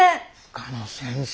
深野先生